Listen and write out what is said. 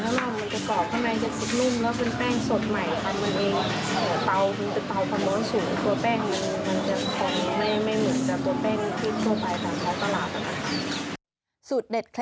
ใช่แล้วสำหรับพิซซ่าเตาฟืนของทางร้านพิซซ่าเฮ้าส์นะครับ